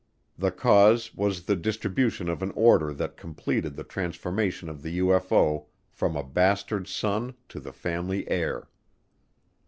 The cause was the distribution of an order that completed the transformation of the UFO from a bastard son to the family heir.